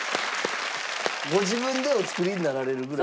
ご自分でお作りになられるぐらい。